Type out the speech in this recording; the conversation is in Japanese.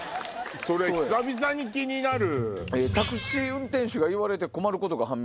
それ久々に気になる。